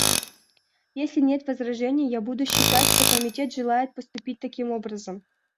Если нет возражения, я буду считать, что Комитет желает поступить таким образом.